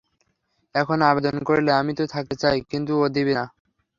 এখন আবেদন করলে আমি তো থাকতে চাই, কিন্তু ও দিবে না।